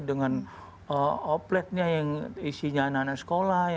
dengan outletnya yang isinya anak anak sekolah